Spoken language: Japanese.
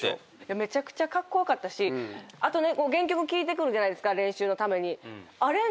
めちゃくちゃカッコ良かったしあと原曲聴いてくるじゃないですか練習のために。